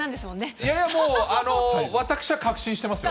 いやもう、私は確信してますよ。